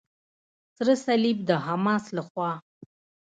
سره صلیب د حماس لخوا.